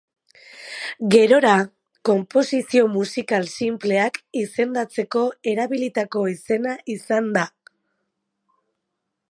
Gerora, konposizio musikal sinpleak izendatzeko erabilitako izena izan da.